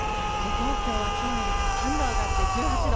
東京は今日よりも３度上がって１８度。